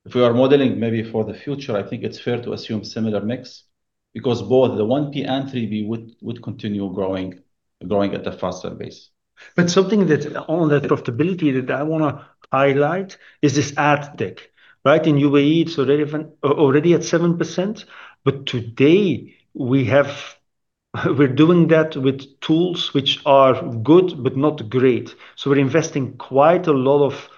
If we are modeling maybe for the future, I think it's fair to assume similar mix, because both the 1P and 3P would, would continue growing, growing at a faster pace. But something that, on that profitability that I want to highlight is this ad tech, right? In UAE, it's already at 7%, but today we're doing that with tools which are good, but not great. So we're investing quite a lot of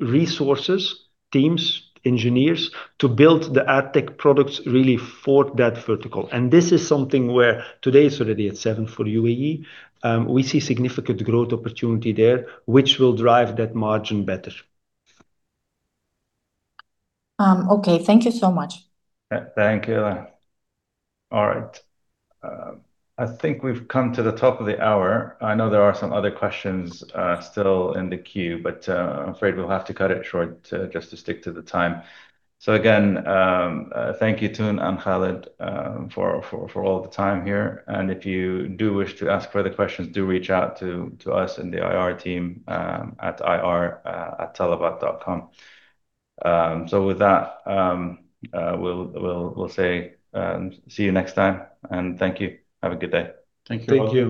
resources, teams, engineers, to build the ad tech products really for that vertical. And this is something where today it's already at 7% for UAE. We see significant growth opportunity there, which will drive that margin better. Okay. Thank you so much. Thank you, Elena. All right, I think we've come to the top of the hour. I know there are some other questions still in the queue, but I'm afraid we'll have to cut it short just to stick to the time. So again, thank you, Toon and Khaled, for all the time here, and if you do wish to ask further questions, do reach out to us in the IR team at ir@Talabat.com. So with that, we'll say see you next time, and thank you. Have a good day. Thank you. Thank you.